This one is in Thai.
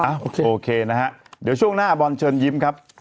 โอเคโอเคนะฮะเดี๋ยวช่วงหน้าบอลเชิญยิ้มครับ